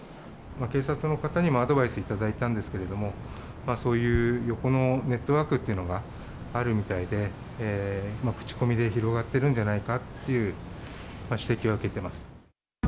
警察の方にもアドバイスいただいたんですけれども、そういう横のネットワークというのがあるみたいで、口コミで広がってるんじゃないかという指摘は受けてます。